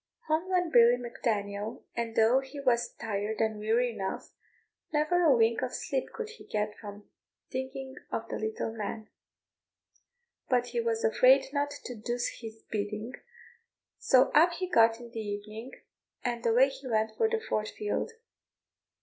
Home went Billy Mac Daniel; and though he was tired and weary enough, never a wink of sleep could he get for thinking of the little man; but he was afraid not to do his bidding, so up he got in the evening, and away he went to the Fort field.